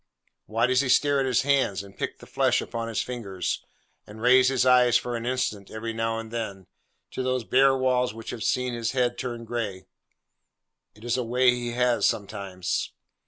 Why does he stare at his hands, and pick the flesh upon his fingers, and raise his eyes for an instant, every now and then, to those bare walls which have seen his head turn grey? It is a way he has sometimes.